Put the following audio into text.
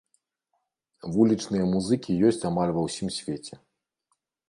Вулічныя музыкі ёсць амаль ва ўсім свеце.